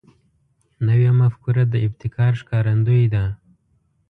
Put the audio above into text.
نوې مفکوره د ابتکار ښکارندوی ده